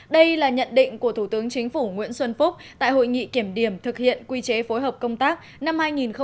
đây là nhận định của thủ tướng chính phủ nguyễn xuân phúc tại hội nghị kiểm điểm thực hiện quy chế phối hợp công tác năm hai nghìn một mươi chín